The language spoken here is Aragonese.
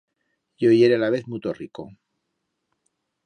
Yo yere alavez muto rico.